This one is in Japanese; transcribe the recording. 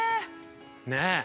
◆ねえ！